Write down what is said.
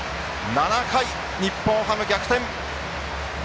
７回、日本ハム逆転。